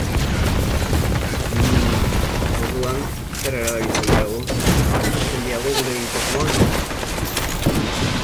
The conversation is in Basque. Hum... orduan, zer erabakitzen diagu, hasten diagu gure egitasmoa?